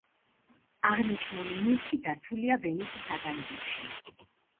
აღნიშნული ნივთი დაცულია ვენის საგანძურში.